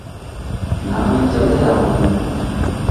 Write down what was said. نان٘ویں چلدے رہونیں